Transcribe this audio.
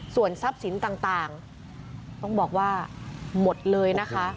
ส่วนทรัพย์สินต่างต้องบอกว่าหมดเลยนะคะ